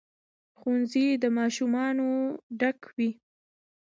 ښوونځي د ماشومانو ډک وي.